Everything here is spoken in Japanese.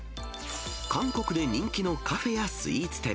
韓国で人気のカフェやスイーツ店。